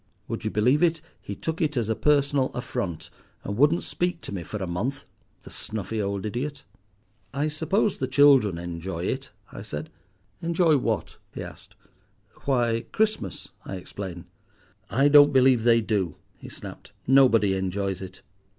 Would you believe it, he took it as a personal affront, and wouldn't speak to me for a month, the snuffy old idiot." "I suppose the children enjoy it," I said. "Enjoy what?" he asked. "Why, Christmas," I explained. "I don't believe they do," he snapped; "nobody enjoys it.